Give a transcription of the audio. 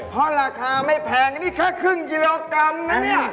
เพราะราคาไม่แพงนี่แค่ครึ่งกิโลกรัมนะเนี่ย